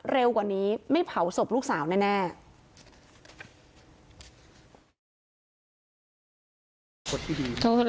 เร็วกว่านี้ไม่เผาศพลูกสาวแน่